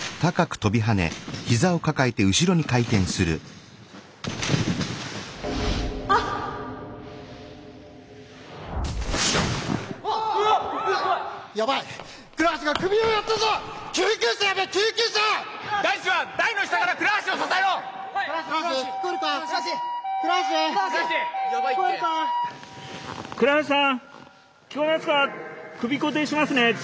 首固定しますね。